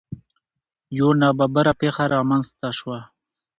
یو نا ببره پېښه رامنځ ته شوه.